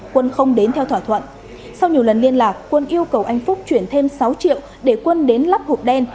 quân không đến theo thỏa thuận sau nhiều lần liên lạc quân yêu cầu anh phúc chuyển thêm sáu triệu để quân đến lắp hộp đen